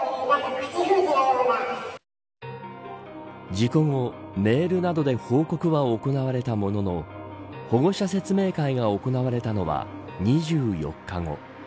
事故後、メールなどで報告は行われたものの保護者説明会が行われたのは２４日後。